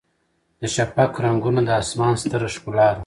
د شفق رنګونه د اسمان ستره ښکلا ده.